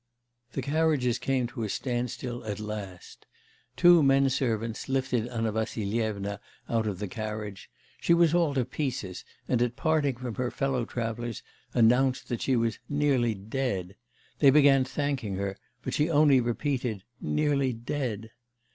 The carriages came to a standstill at last. Two men servants lifted Anna Vassilyevna out of the carriage; she was all to pieces, and at parting from her fellow travellers, announced that she was 'nearly dead'; they began thanking her, but she only repeated, 'nearly dead.